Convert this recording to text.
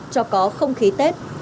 cho có không khí tết